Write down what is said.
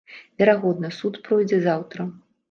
Верагодна, суд пройдзе заўтра.